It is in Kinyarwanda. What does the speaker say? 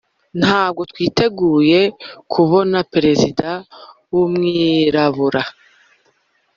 ntabwo twiteguye, kubona perezida w'umwirabura, uh